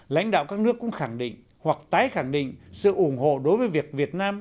lãnh đạo các nước cũng khẳng định hoặc tái khẳng định sự ủng hộ đối với việc việt nam